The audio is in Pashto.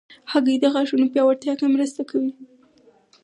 هګۍ د غاښونو پیاوړتیا کې مرسته کوي.